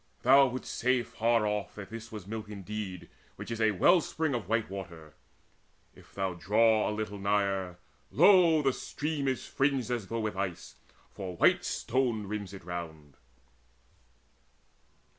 Thou wouldst say Far off that this was milk indeed, which is A well spring of white water: if thou draw A little nigher, lo, the stream is fringed As though with ice, for white stone rims it round.